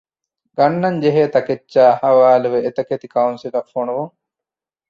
ގަންނަންޖެހޭ ތަކެއްޗާއި ޙަވާލުވެ އެތަކެތި ކައުންސިލަށް ފޮނުވުން.